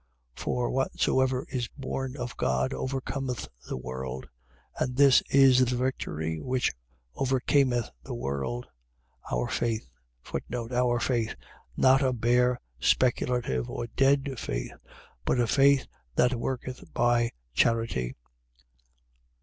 5:4. For whatsoever is born of God overcometh the world. And this is the victory which overcameth the world: Our faith. Our faith. . .Not a bare, speculative, or dead faith; but a faith that worketh by charity.